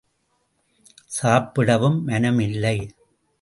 சாப்பிடவும் மனம் இல்லை.